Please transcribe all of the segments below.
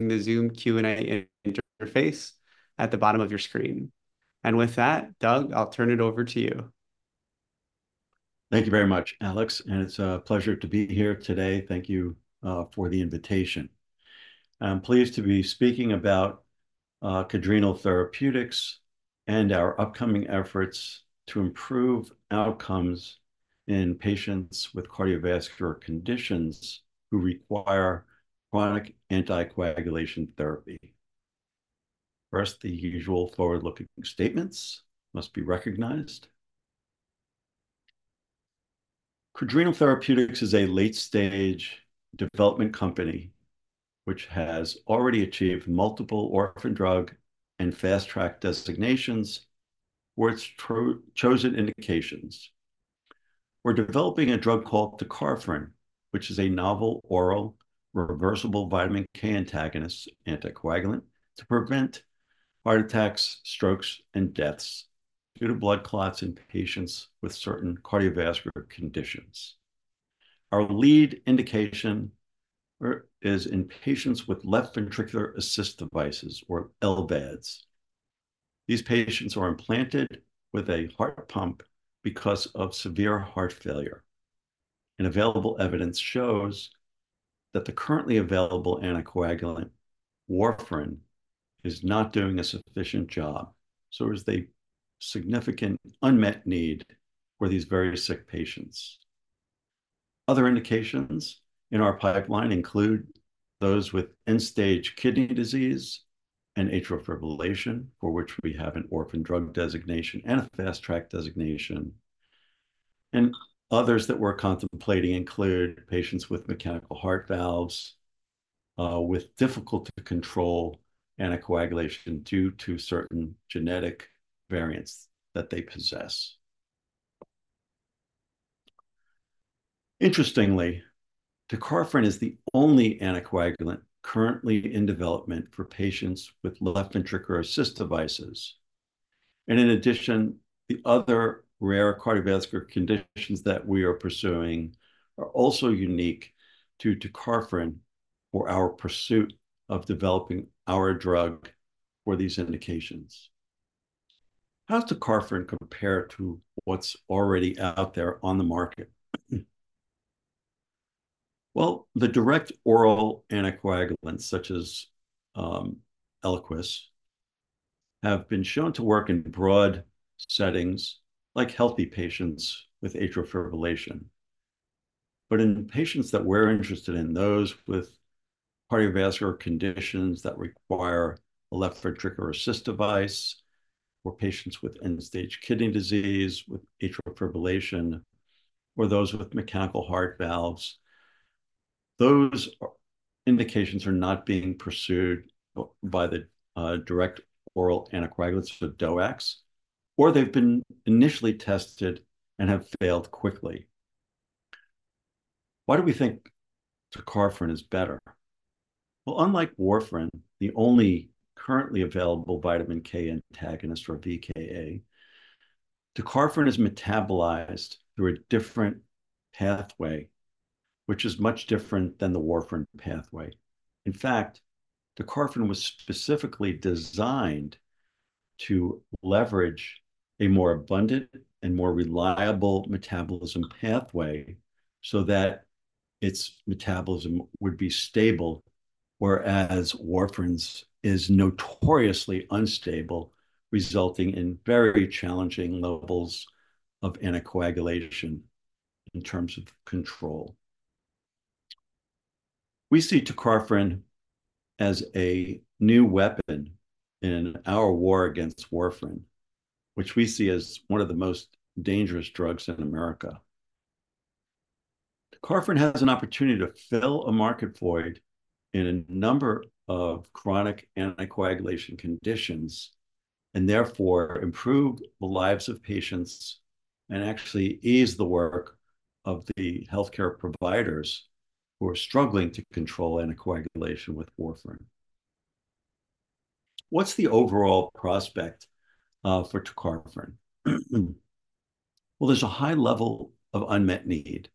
The Zoom Q&A in-interface at the bottom of your screen. With that, Doug, I'll turn it over to you. Thank you very much, Alex, and it's a pleasure to be here today. Thank you for the invitation. I'm pleased to be speaking about Cadrenal Therapeutics and our upcoming efforts to improve outcomes in patients with cardiovascular conditions who require chronic anticoagulation therapy. First, the usual forward-looking statements must be recognized. Cadrenal Therapeutics is a late-stage development company, which has already achieved multiple orphan drug and fast track designations for its chosen indications. We're developing a drug called tecarfarin, which is a novel oral reversible vitamin K antagonist anticoagulant to prevent heart attacks, strokes, and deaths due to blood clots in patients with certain cardiovascular conditions. Our lead indication is in patients with left ventricular assist devices or LVADs. These patients are implanted with a heart pump because of severe heart failure, and available evidence shows that the currently available anticoagulant, warfarin, is not doing a sufficient job, so there's a significant unmet need for these very sick patients. Other indications in our pipeline include those with end-stage kidney disease and atrial fibrillation, for which we have an orphan drug designation and a fast track designation. And others that we're contemplating include patients with mechanical heart valves, with difficult-to-control anticoagulation due to certain genetic variants that they possess. Interestingly, tecarfarin is the only anticoagulant currently in development for patients with left ventricular assist devices. And in addition, the other rare cardiovascular conditions that we are pursuing are also unique to tecarfarin or our pursuit of developing our drug for these indications. How does tecarfarin compare to what's already out there on the market? Well, the direct oral anticoagulants, such as Eliquis, have been shown to work in broad settings, like healthy patients with atrial fibrillation. But in the patients that we're interested in, those with cardiovascular conditions that require a left ventricular assist device, or patients with end-stage kidney disease, with atrial fibrillation, or those with mechanical heart valves, those indications are not being pursued by the direct oral anticoagulants, or DOACs, or they've been initially tested and have failed quickly. Why do we think tecarfarin is better? Well, unlike warfarin, the only currently available vitamin K antagonist or VKA, tecarfarin is metabolized through a different pathway, which is much different than the warfarin pathway. In fact, tecarfarin was specifically designed to leverage a more abundant and more reliable metabolism pathway so that its metabolism would be stable, whereas warfarin's is notoriously unstable, resulting in very challenging levels of anticoagulation in terms of control. We see tecarfarin as a new weapon in our war against warfarin, which we see as one of the most dangerous drugs in America. Tecarfarin has an opportunity to fill a market void in a number of chronic anticoagulation conditions, and therefore improve the lives of patients and actually ease the work of the healthcare providers who are struggling to control anticoagulation with warfarin. What's the overall prospect for tecarfarin? Well, there's a high level of unmet need.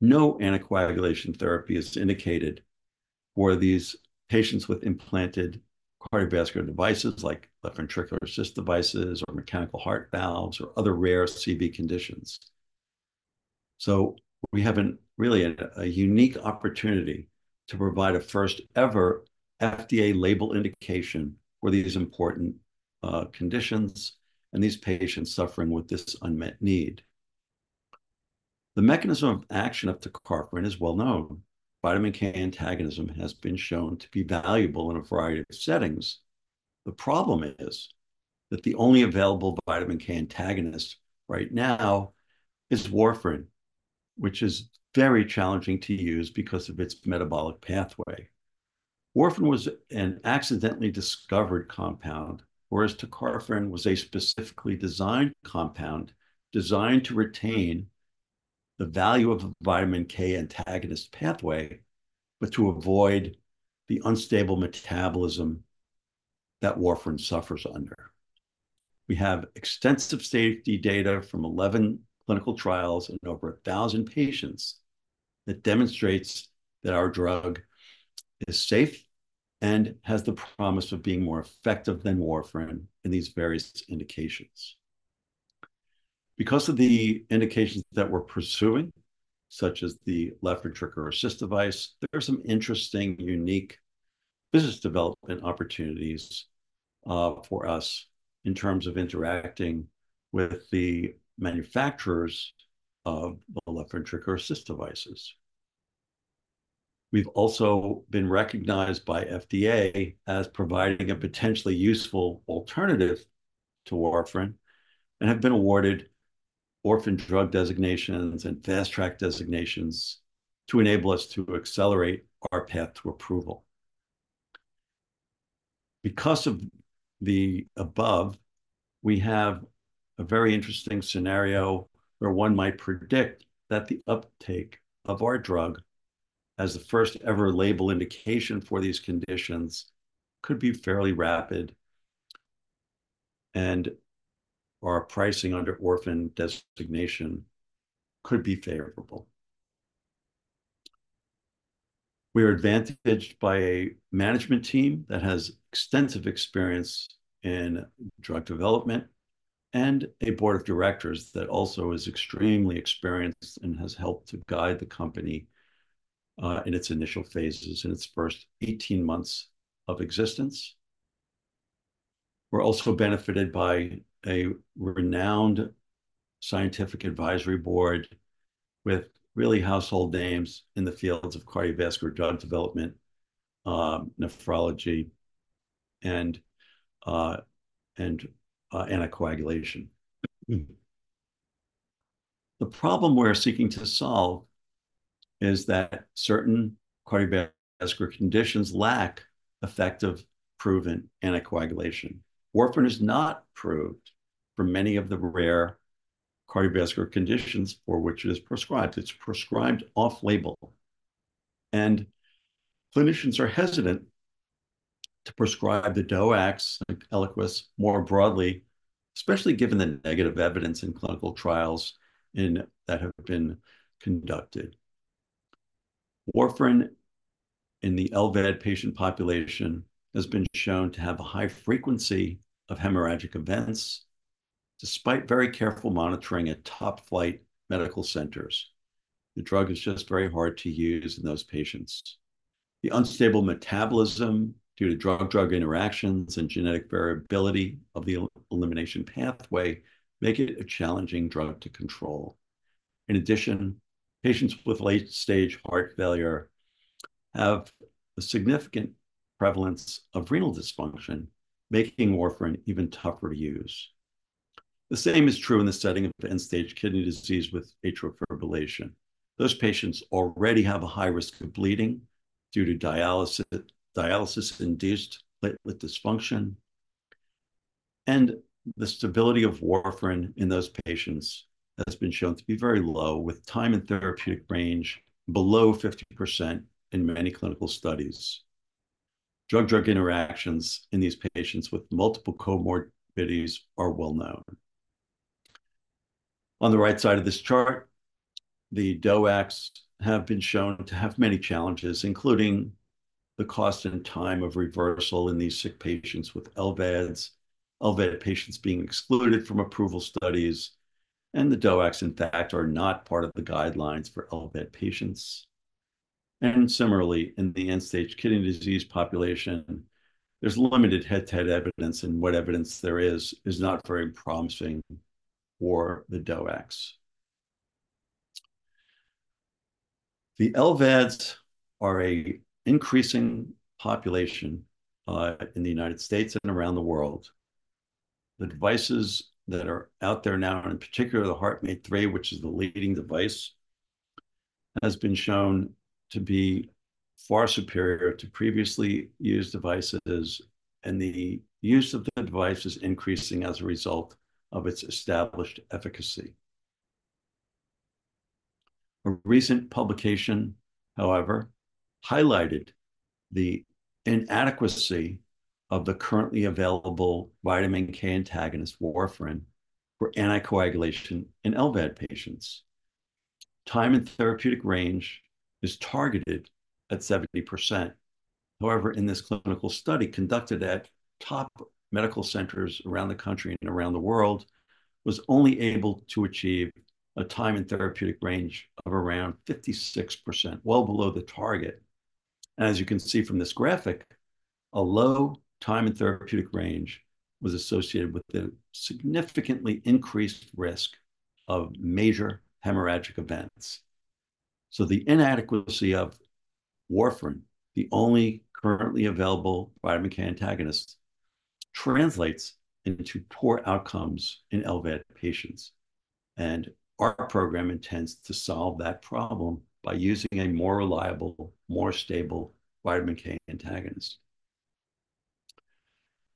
No anticoagulation therapy is indicated for these patients with implanted cardiovascular devices, like left ventricular assist devices or mechanical heart valves or other rare CV conditions. So we have a really unique opportunity to provide a first-ever FDA label indication for these important conditions and these patients suffering with this unmet need. The mechanism of action of tecarfarin is well known. Vitamin K antagonism has been shown to be valuable in a variety of settings. The problem is that the only available vitamin K antagonist right now is warfarin, which is very challenging to use because of its metabolic pathway. Warfarin was an accidentally discovered compound, whereas tecarfarin was a specifically designed compound, designed to retain the value of a vitamin K antagonist pathway, but to avoid the unstable metabolism that warfarin suffers under. We have extensive safety data from 11 clinical trials in over 1,000 patients that demonstrates that our drug is safe and has the promise of being more effective than warfarin in these various indications. Because of the indications that we're pursuing, such as the left ventricular assist device, there are some interesting, unique business development opportunities, for us in terms of interacting with the manufacturers of the left ventricular assist devices. We've also been recognized by FDA as providing a potentially useful alternative to warfarin, and have been awarded orphan drug designations and fast track designations to enable us to accelerate our path to approval. Because of the above, we have a very interesting scenario where one might predict that the uptake of our drug as the first ever label indication for these conditions could be fairly rapid, and our pricing under orphan designation could be favorable. We are advantaged by a management team that has extensive experience in drug development, and a board of directors that also is extremely experienced and has helped to guide the company in its initial phases in its first 18 months of existence. We're also benefited by a renowned scientific advisory board with really household names in the fields of cardiovascular drug development, nephrology, and anticoagulation. The problem we're seeking to solve is that certain cardiovascular conditions lack effective, proven anticoagulation. Warfarin is not approved for many of the rare cardiovascular conditions for which it is prescribed. It's prescribed off-label, and clinicians are hesitant to prescribe the DOACs and Eliquis more broadly, especially given the negative evidence in clinical trials that have been conducted. Warfarin in the LVAD patient population has been shown to have a high frequency of hemorrhagic events, despite very careful monitoring at top-flight medical centers. The drug is just very hard to use in those patients. The unstable metabolism due to drug-drug interactions and genetic variability of the elimination pathway make it a challenging drug to control. In addition, patients with late stage heart failure have a significant prevalence of renal dysfunction, making warfarin even tougher to use. The same is true in the setting of end-stage kidney disease with atrial fibrillation. Those patients already have a high risk of bleeding due to dialysis, dialysis-induced platelet dysfunction, and the stability of warfarin in those patients has been shown to be very low, with time in therapeutic range below 50% in many clinical studies. Drug-drug interactions in these patients with multiple comorbidities are well known. On the right side of this chart, the DOACs have been shown to have many challenges, including the cost and time of reversal in these sick patients with LVADs, LVAD patients being excluded from approval studies, and the DOACs, in fact, are not part of the guidelines for LVAD patients. Similarly, in the end-stage kidney disease population, there's limited head-to-head evidence, and what evidence there is, is not very promising for the DOACs. The LVADs are a increasing population, in the United States and around the world. The devices that are out there now, and in particular, the HeartMate 3, which is the leading device, has been shown to be far superior to previously used devices, and the use of the device is increasing as a result of its established efficacy. A recent publication, however, highlighted the inadequacy of the currently available vitamin K antagonist, warfarin, for anticoagulation in LVAD patients. Time in therapeutic range is targeted at 70%. However, in this clinical study conducted at top medical centers around the country and around the world, was only able to achieve a time in therapeutic range of around 56%, well below the target. As you can see from this graphic, a low time in therapeutic range was associated with a significantly increased risk of major hemorrhagic events. So the inadequacy of warfarin, the only currently available vitamin K antagonist, translates into poor outcomes in LVAD patients, and our program intends to solve that problem by using a more reliable, more stable vitamin K antagonist.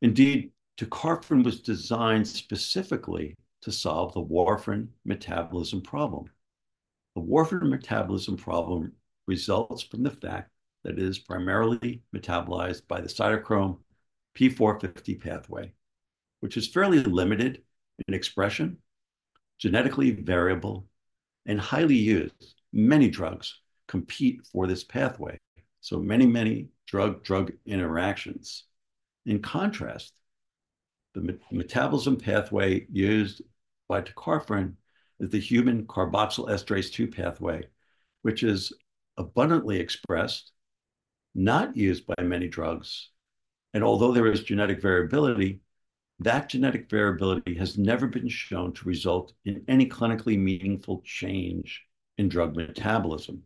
Indeed, tecarfarin was designed specifically to solve the warfarin metabolism problem.... The warfarin metabolism problem results from the fact that it is primarily metabolized by the cytochrome P450 pathway, which is fairly limited in expression, genetically variable, and highly used. Many drugs compete for this pathway, so many, many drug-drug interactions. In contrast, the metabolism pathway used by tecarfarin is the human carboxylesterase 2 pathway, which is abundantly expressed, not used by many drugs, and although there is genetic variability, that genetic variability has never been shown to result in any clinically meaningful change in drug metabolism.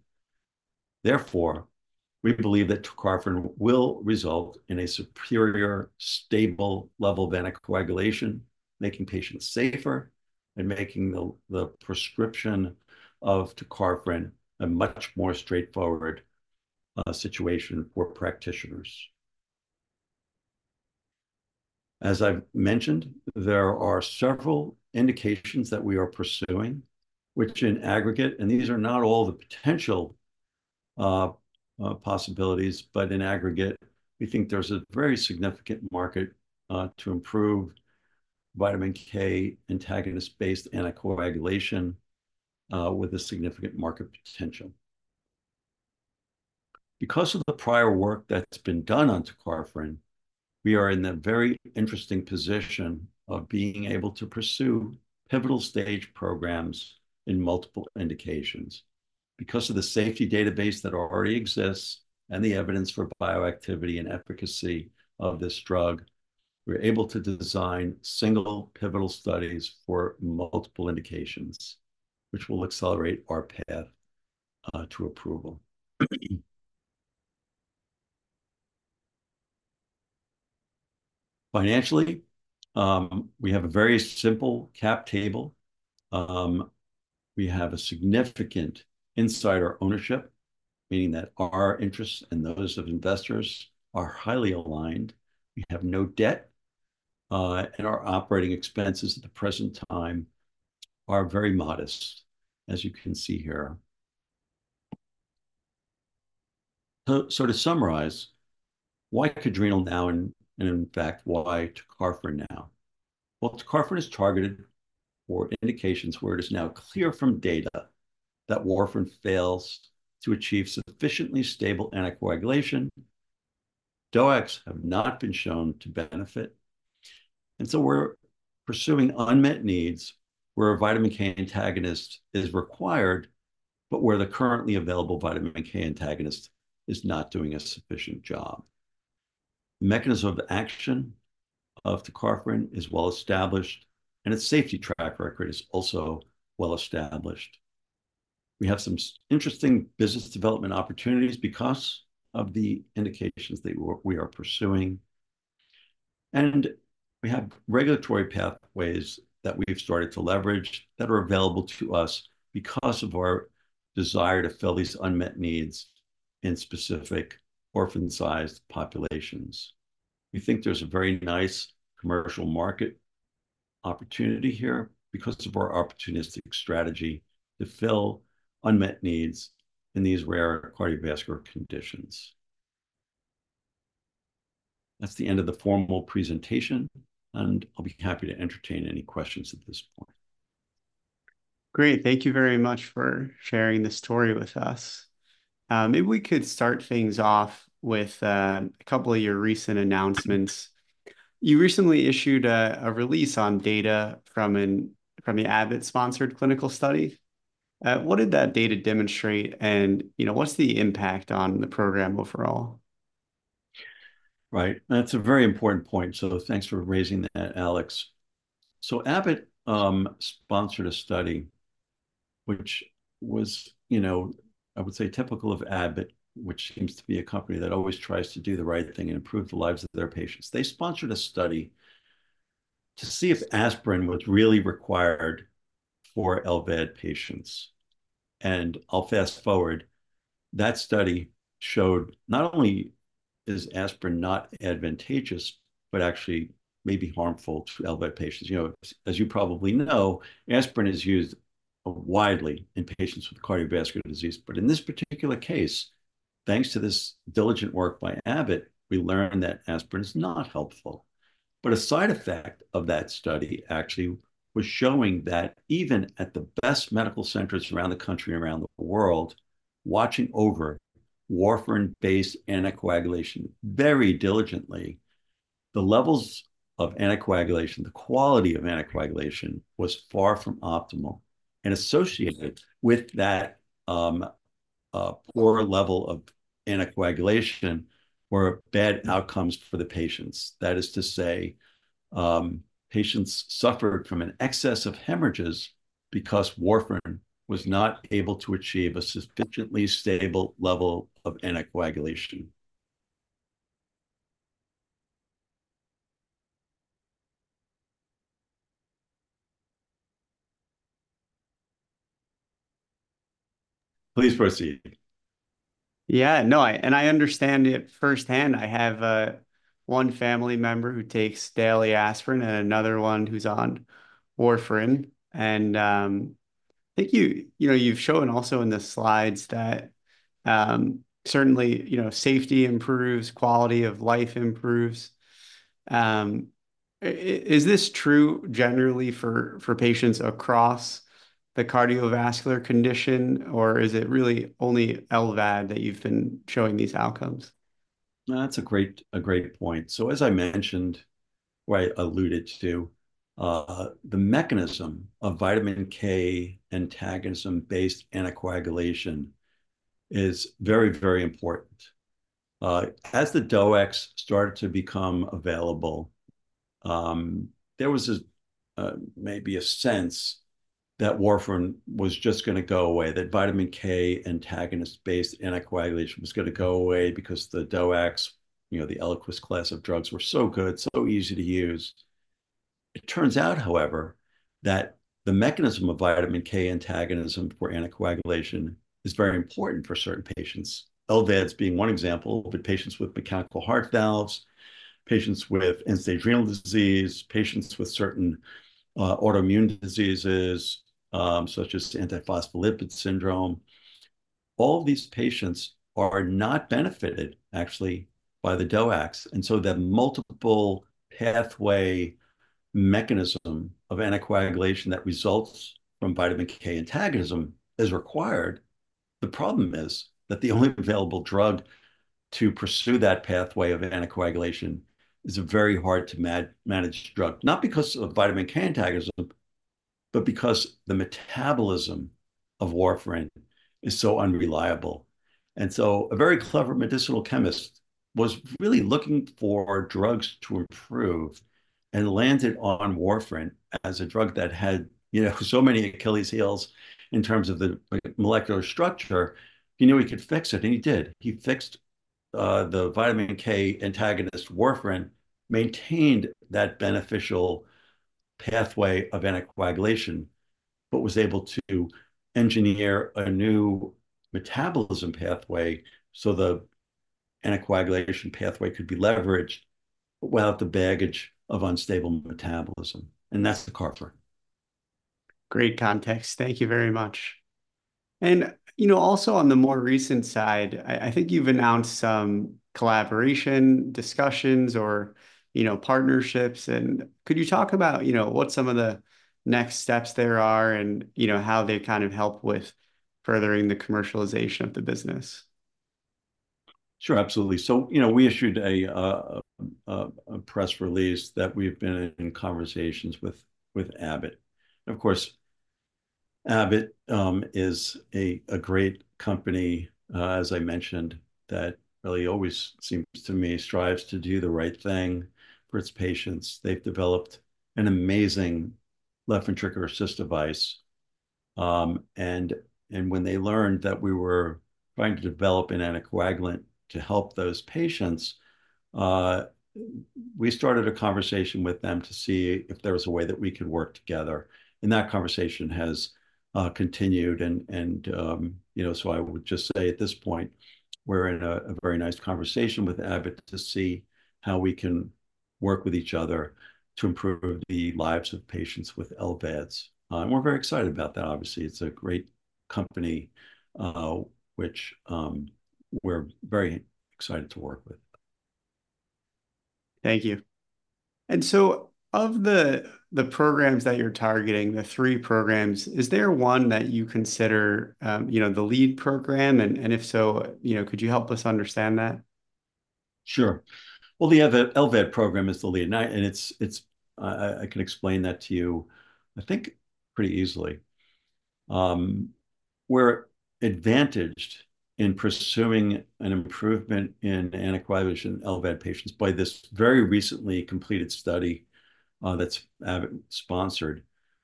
Therefore, we believe that tecarfarin will result in a superior, stable level of anticoagulation, making patients safer and making the prescription of tecarfarin a much more straightforward situation for practitioners. As I've mentioned, there are several indications that we are pursuing, which in aggregate, and these are not all the potential possibilities, but in aggregate, we think there's a very significant market to improve vitamin K antagonist-based anticoagulation with a significant market potential. Because of the prior work that's been done on tecarfarin, we are in the very interesting position of being able to pursue pivotal stage programs in multiple indications. Because of the safety database that already exists and the evidence for bioactivity and efficacy of this drug, we're able to design single pivotal studies for multiple indications, which will accelerate our path to approval. Financially, we have a very simple cap table. We have a significant insider ownership, meaning that our interests and those of investors are highly aligned. We have no debt, and our operating expenses at the present time are very modest, as you can see here. To summarize, why Cadrenal now, in fact, why Tecarfarin now? Well, tecarfarin is targeted for indications where it is now clear from data that warfarin fails to achieve sufficiently stable anticoagulation. DOACs have not been shown to benefit. And so we're pursuing unmet needs where a vitamin K antagonist is required, but where the currently available vitamin K antagonist is not doing a sufficient job. Mechanism of action of tecarfarin is well-established, and its safety track record is also well-established. We have some interesting business development opportunities because of the indications that we are pursuing, and we have regulatory pathways that we've started to leverage, that are available to us because of our desire to fill these unmet needs in specific orphan-sized populations. We think there's a very nice commercial market opportunity here because of our opportunistic strategy to fill unmet needs in these rare cardiovascular conditions. That's the end of the formal presentation, and I'll be happy to entertain any questions at this point. Great, thank you very much for sharing this story with us. Maybe we could start things off with a couple of your recent announcements. You recently issued a release on data from the Abbott-sponsored clinical study. What did that data demonstrate, and, you know, what's the impact on the program overall? Right, that's a very important point, so thanks for raising that, Alex. So Abbott sponsored a study, which was, you know, I would say, typical of Abbott, which seems to be a company that always tries to do the right thing and improve the lives of their patients. They sponsored a study to see if aspirin was really required for LVAD patients, and I'll fast-forward. That study showed not only is aspirin not advantageous, but actually may be harmful to LVAD patients. You know, as you probably know, aspirin is used widely in patients with cardiovascular disease, but in this particular case, thanks to this diligent work by Abbott, we learned that aspirin is not helpful. But a side effect of that study actually was showing that even at the best medical centers around the country and around the world, watching over warfarin-based anticoagulation very diligently, the levels of anticoagulation, the quality of anticoagulation, was far from optimal. And associated with that, poor level of anticoagulation were bad outcomes for the patients. That is to say, patients suffered from an excess of hemorrhages because warfarin was not able to achieve a sufficiently stable level of anticoagulation. Please proceed. Yeah, no, I, and I understand it firsthand. I have one family member who takes daily aspirin, and another one who's on warfarin. And I think you, you know, you've shown also in the slides that certainly, you know, safety improves, quality of life improves. Is this true generally for patients across the cardiovascular condition, or is it really only LVAD that you've been showing these outcomes? That's a great, a great point. So as I mentioned, or I alluded to, the mechanism of vitamin K antagonism-based anticoagulation is very, very important. As the DOACs started to become available, there was a, maybe a sense that warfarin was just gonna go away, that vitamin K antagonist-based anticoagulation was gonna go away because the DOACs, you know, the Eliquis class of drugs, were so good, so easy to use. It turns out, however, that the mechanism of vitamin K antagonism for anticoagulation is very important for certain patients, LVADs being one example, but patients with mechanical heart valves, patients with end-stage renal disease, patients with certain, autoimmune diseases, such as antiphospholipid syndrome. All these patients are not benefited actually by the DOACs, and so the multiple pathway mechanism of anticoagulation that results from vitamin K antagonism is required. The problem is that the only available drug to pursue that pathway of anticoagulation is a very hard-to-manage drug, not because of vitamin K antagonism, but because the metabolism of warfarin is so unreliable. And so a very clever medicinal chemist was really looking for drugs to improve and landed on warfarin as a drug that had, you know, so many Achilles' heels in terms of the molecular structure. He knew he could fix it, and he did. He fixed the vitamin K antagonist warfarin, maintained that beneficial pathway of anticoagulation, but was able to engineer a new metabolism pathway, so the anticoagulation pathway could be leveraged without the baggage of unstable metabolism, and that's tecarfarin. Great context. Thank you very much. You know, also on the more recent side, I think you've announced some collaboration, discussions, or, you know, partnerships, and could you talk about, you know, what some of the next steps there are, and you know, how they kind of help with furthering the commercialization of the business? Sure, absolutely. So, you know, we issued a press release that we've been in conversations with Abbott. Of course, Abbott is a great company, as I mentioned, that really always seems to me strives to do the right thing for its patients. They've developed an amazing left ventricular assist device. When they learned that we were trying to develop an anticoagulant to help those patients, we started a conversation with them to see if there was a way that we could work together, and that conversation has continued. You know, so I would just say at this point, we're in a very nice conversation with Abbott to see how we can work with each other to improve the lives of patients with LVADs. And we're very excited about that. Obviously, it's a great company, which we're very excited to work with. Thank you. And so of the, the programs that you're targeting, the three programs, is there one that you consider, you know, the lead program? And, and if so, you know, could you help us understand that? Sure. Well, the other LVAD program is the lead, and it's. I can explain that to you, I think pretty easily. We're advantaged in pursuing an improvement in anticoagulation in LVAD patients by this very recently completed study that's Abbott-sponsored,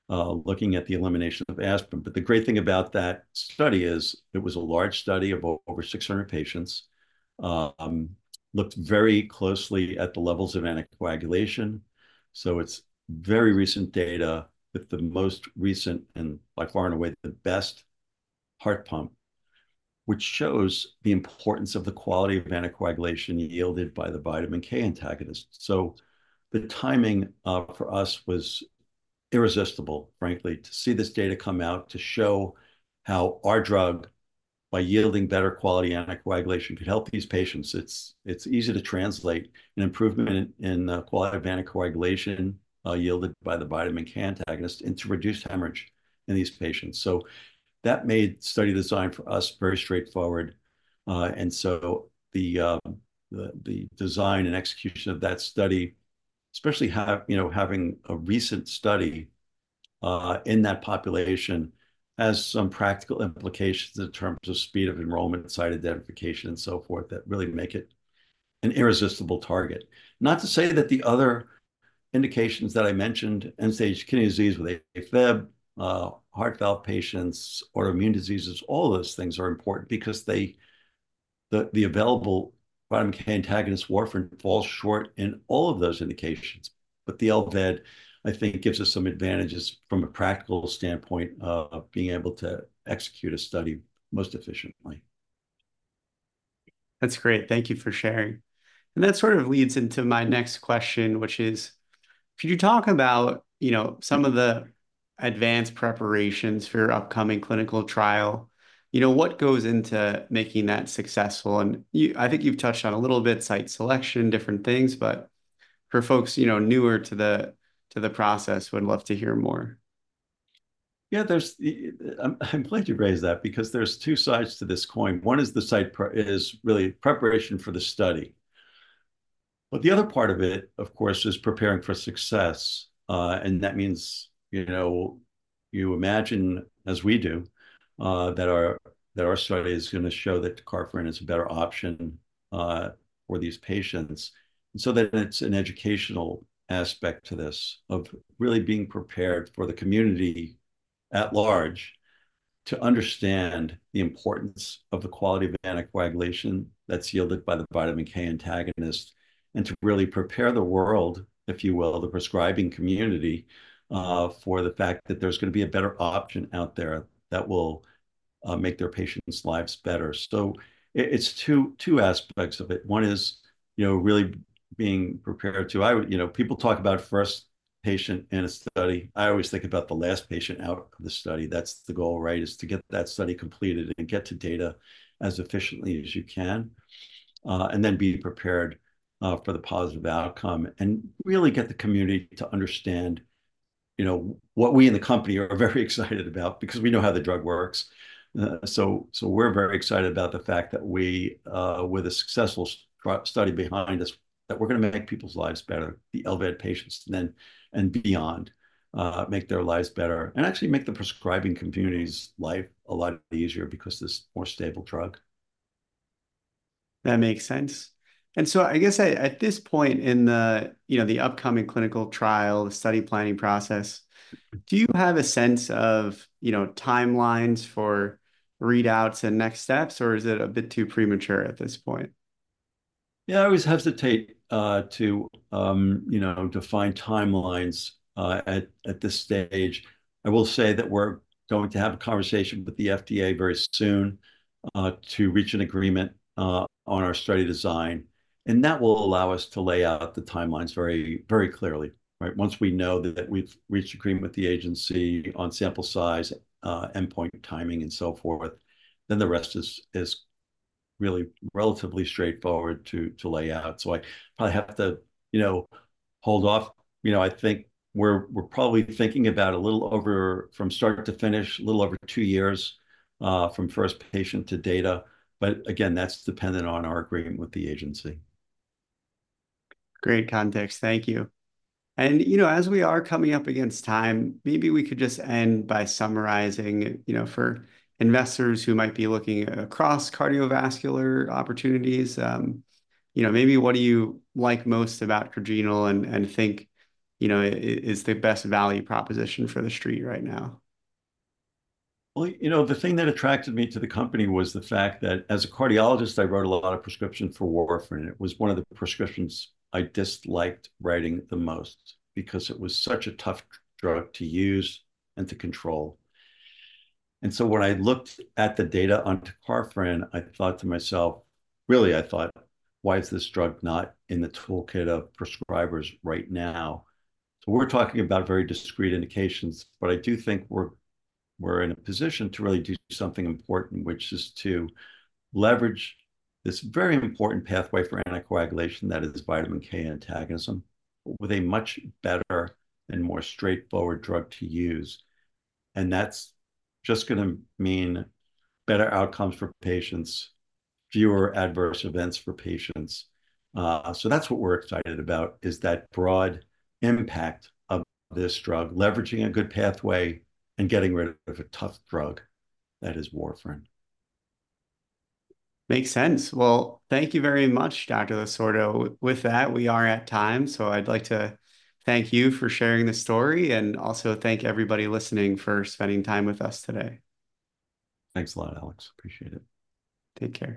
looking at the elimination of aspirin. But the great thing about that study is it was a large study of over 600 patients, looked very closely at the levels of anticoagulation. So it's very recent data that the most recent, and by far and away, the best heart pump, which shows the importance of the quality of anticoagulation yielded by the vitamin K antagonist. So the timing for us was irresistible, frankly, to see this data come out, to show how our drug, by yielding better quality anticoagulation, could help these patients. It's easy to translate an improvement in the quality of anticoagulation yielded by the vitamin K antagonist and to reduce hemorrhage in these patients. So that made study design for us very straightforward. And so the design and execution of that study, especially, you know, having a recent study in that population has some practical implications in terms of speed of enrollment, site identification, and so forth, that really make it an irresistible target. Not to say that the other indications that I mentioned, end-stage kidney disease with AFib, heart valve patients, autoimmune diseases, all those things are important because the available vitamin K antagonist warfarin falls short in all of those indications. But the LVAD, I think, gives us some advantages from a practical standpoint of being able to execute a study most efficiently. That's great. Thank you for sharing. And that sort of leads into my next question, which is, could you talk about, you know, some of the advanced preparations for your upcoming clinical trial? You know, what goes into making that successful? And you, I think, you've touched on a little bit, site selection, different things, but for folks, you know, newer to the process, would love to hear more. Yeah, I'm glad you raised that because there's two sides to this coin. One is the site prep is really preparation for the study, but the other part of it, of course, is preparing for success. And that means, you know, you imagine, as we do, that our study is gonna show that tecarfarin is a better option for these patients. So then it's an educational aspect to this, of really being prepared for the community at large to understand the importance of the quality of anticoagulation that's yielded by the vitamin K antagonist, and to really prepare the world, if you will, the prescribing community, for the fact that there's gonna be a better option out there that will make their patients' lives better. So it's two aspects of it. One is, you know, really being prepared to... I would, you know, people talk about first patient in a study. I always think about the last patient out of the study. That's the goal, right? Is to get that study completed and get the data as efficiently as you can. And then being prepared for the positive outcome and really get the community to understand, you know, what we in the company are very excited about because we know how the drug works. So, so we're very excited about the fact that we, with a successful study behind us, that we're gonna make people's lives better, the LVAD patients then and beyond, make their lives better, and actually make the prescribing community's life a lot easier because this more stable drug. That makes sense. And so I guess at this point in the, you know, the upcoming clinical trial, the study planning process, do you have a sense of, you know, timelines for readouts and next steps, or is it a bit too premature at this point? Yeah, I always hesitate to you know, define timelines at this stage. I will say that we're going to have a conversation with the FDA very soon to reach an agreement on our study design, and that will allow us to lay out the timelines very, very clearly, right? Once we know that we've reached agreement with the agency on sample size, endpoint timing, and so forth, then the rest is really relatively straightforward to lay out. So I probably have to you know, hold off. You know, I think we're probably thinking about a little over, from start to finish, a little over 2 years from first patient to data. But again, that's dependent on our agreement with the agency. Great context. Thank you. And, you know, as we are coming up against time, maybe we could just end by summarizing, you know, for investors who might be looking across cardiovascular opportunities, you know, maybe what do you like most about Cadrenal and think, you know, is the best value proposition for the street right now? Well, you know, the thing that attracted me to the company was the fact that, as a cardiologist, I wrote a lot of prescriptions for warfarin. It was one of the prescriptions I disliked writing the most because it was such a tough drug to use and to control. So when I looked at the data on tecarfarin, I thought to myself, really, I thought, "Why is this drug not in the toolkit of prescribers right now?" We're talking about very discrete indications but I do think we're in a position to really do something important, which is to leverage this very important pathway for anticoagulation, that is vitamin K antagonism, with a much better and more straightforward drug to use. And that's just gonna mean better outcomes for patients, fewer adverse events for patients. So that's what we're excited about, is that broad impact of this drug, leveraging a good pathway and getting rid of a tough drug that is warfarin. Makes sense. Well, thank you very much, Dr. Losordo. With that, we are at time, so I'd like to thank you for sharing this story, and also thank everybody listening for spending time with us today. Thanks a lot, Alex. Appreciate it. Take care.